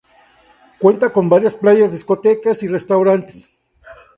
Cuenta con varias playas, discotecas y restaurantes.